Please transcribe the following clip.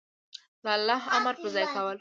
د الله امر په ځای کول